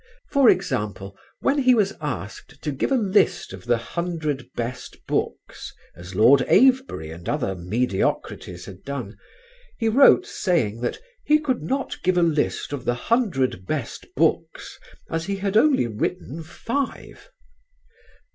For example, when he was asked to give a list of the hundred best books, as Lord Avebury and other mediocrities had done, he wrote saying that "he could not give a list of the hundred best books, as he had only written five."